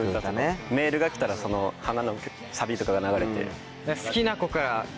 メールが来たら『花』のサビとかが流れて。